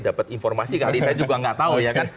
dapat informasi kali saya juga nggak tahu ya kan